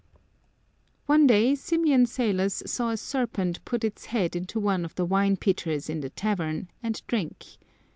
One day Symeon Salos saw a serpent put its head into one of the wine pitchers in the tavern, and drink.